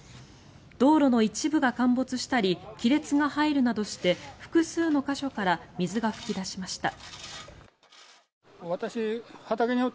道路の一部が陥没したり亀裂が入るなどして複数の箇所から水が噴き出しました。